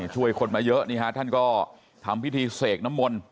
ช่วยคนมาเยอะนี่ฮะท่านก็ทำพิธีเสกน้ำมนต์